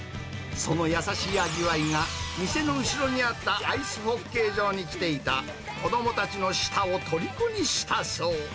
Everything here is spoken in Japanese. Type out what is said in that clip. その優しい味わいが、店の後ろにあったアイスホッケー場に来ていた子どもたちの舌をとりこにしたそう。